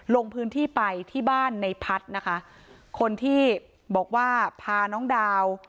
ลงพื้นที่ไปที่บ้านในพัฒน์นะคะคนที่บอกว่าพาน้องดาว